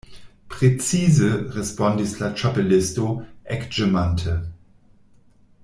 "Precize," respondis la Ĉapelisto, ekĝemante.